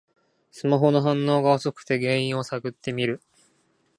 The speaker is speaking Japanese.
スマホの反応が遅くて原因を探ってる